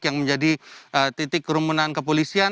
yang menjadi titik kerumunan kepolisian